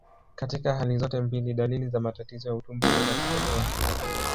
Katika hali zote mbili, dalili za matatizo ya utumbo huweza kutokea.